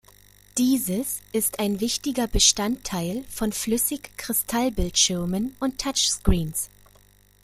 Dieses ist ein wichtiger Bestandteil von Flüssigkristallbildschirmen und Touchscreens.